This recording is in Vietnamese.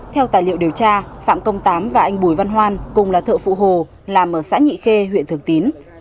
theo tài liệu điều tra phạm công tám và anh bùi văn hoan cùng là thợ phụ hồ làm ở xã nhị khê huyện thường tín